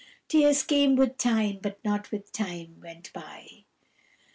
Tears came with time but not with time went by.